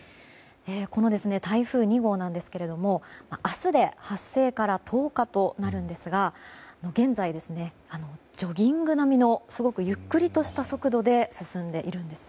台風２号なんですけども明日で発生から１０日となるんですが現在、ジョギング並みのすごくゆっくりとしたスピードで進んでいるんです。